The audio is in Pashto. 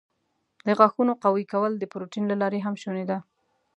د غاښونو قوي کول د پروټین له لارې هم شونی دی.